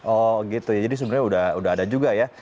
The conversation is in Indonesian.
oh gitu ya jadi sebenarnya udah ada juga ya